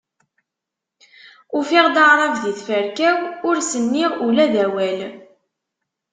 Ufiɣ-d Aɛrab di tferka-w, ur s-nniɣ ula d awal.